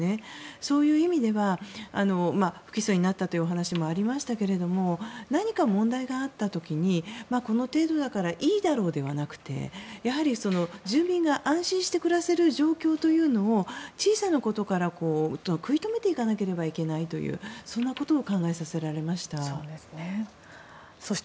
そういう意味では不起訴になったというお話もありましたが何か問題があった時にこの程度だからいいだろうではなくてやはり住民が安心して暮らせる状況というのを小さなことから食い止めていかなければいけないというそんなことを考えさせられました。